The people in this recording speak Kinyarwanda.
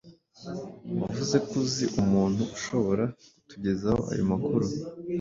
Wavuze ko uzi umuntu ushobora kutugezaho ayo makuru.